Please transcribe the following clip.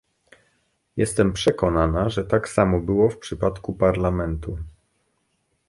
Jestem przekonana, że tak samo było w przypadku Parlamentu